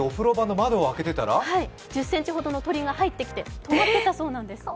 １０ｃｍほどの鳥が入ってきてとまっていたそうなんです。